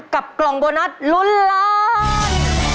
กล่องโบนัสลุ้นล้าน